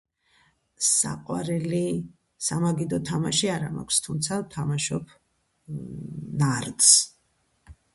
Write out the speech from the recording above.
საყვარელი სამაგიდო თამაში არა მაქვს , თუმცა ვთამაშობ ნარდს.